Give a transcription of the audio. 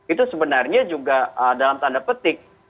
itu sebenarnya juga dalam tanda petik